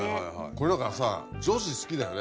これ何かさ女子好きだよね。